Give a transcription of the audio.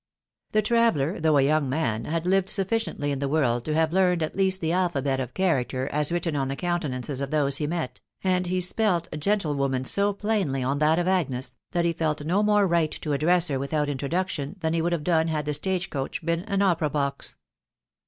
The traveller, though a young man, had lived sufficiently in the world to have learned at least the alphabet of character as written on the countenances of tnose be met, and he spelt gen tlewoman so plainly on that of Agnes, that he felt no more right to address her without introduction than he would have done had the stage coach been an opera box.